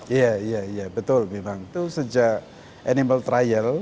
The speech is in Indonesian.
iya iya betul memang itu sejak animal trial